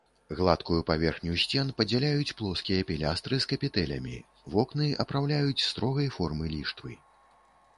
Гладкую паверхню сцен падзяляюць плоскія пілястры з капітэлямі, вокны апраўляюць строгай формы ліштвы.